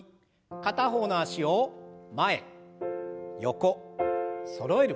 片方の脚を前横そろえる。